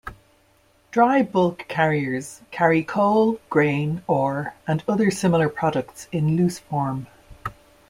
Dry bulk carriers carry coal, grain, ore and other similar products in loose form.